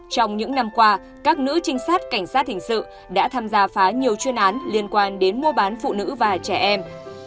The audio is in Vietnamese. trong những năm qua các nữ trinh sát cảnh sát hình sự đã tham gia phá nhiều chuyên án liên quan đến mua bán phụ nữ và trẻ em